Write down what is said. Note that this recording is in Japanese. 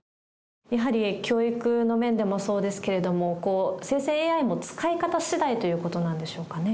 やはり教育の面でもそうですけれども、生成ＡＩも使い方次第ということなんでしょうかね？